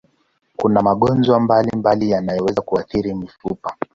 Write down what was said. Kuna magonjwa mbalimbali yanayoweza kuathiri mifupa.